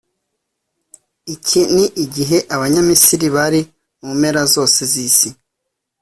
Iki ni igihe abanya Misiri bari mu mpera zose z’isi